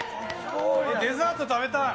デザート食べたい。